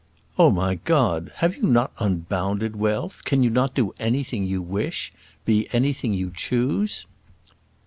"Oh, my God! Have you not unbounded wealth? Can you not do anything you wish? be anything you choose?"